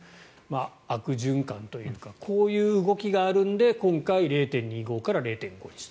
悪循環というかこういう動きがあるので今回０．２５から０．５にした。